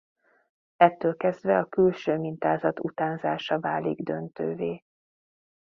Ettől kezdve a külső mintázat utánzása válik döntővé.